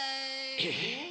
えっ！